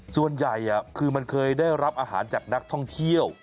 ส่วนใหญ่คือมันเคยได้รับอาหารจากนักท่องเที่ยว